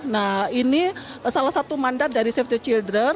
nah ini salah satu mandat dari save the children